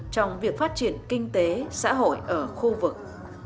trong việc phát triển kinh tế xã hội ở khu vực